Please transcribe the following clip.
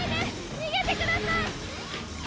逃げてください！